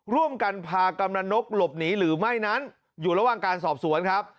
ร่วมกันพากำนันนกหลบหนีหรือไม่นั้นอยู่ระหว่างการสอบสวนครับ